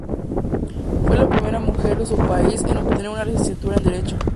Fue la primera mujer de su país en obtener una licenciatura en Derecho.